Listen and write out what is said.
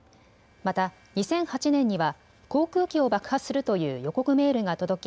また２００８年には航空機を爆破するという予告メールが届き